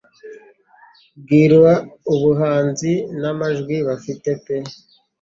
Bwira ubuhanzi nta majwi bafite pe